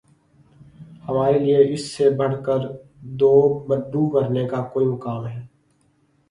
ہمارے لیے اس سے بڑھ کر دوب مرنے کا کوئی مقام ہے